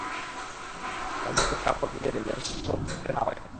তার মুখে কাপড় গুঁজে দেন, যাতে সে শব্দ করতে না পারে।